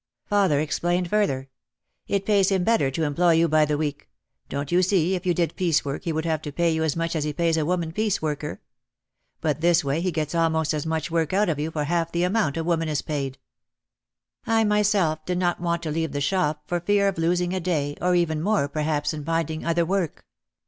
Father explained further, "It pays him better to em ploy you by the week. Don't you see if you did piece work he would have to pay you as much as he pays a woman piece worker? But this way he gets almost as much work out of you for half the amount a woman is paid." I myself did not want to leave the shop for fear of losing a day or even more perhaps in finding other work.